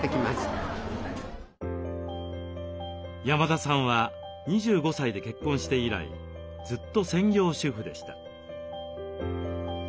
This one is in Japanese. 山田さんは２５歳で結婚して以来ずっと専業主婦でした。